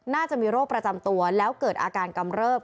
น่าจะมีโรคประจำตัวแล้วเกิดอาการกำเริบ